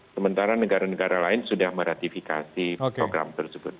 sementara negara negara lain sudah meratifikasi program tersebut